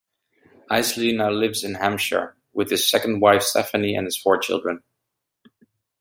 Illsley now lives in Hampshire, with his second wife Stephanie and his four children.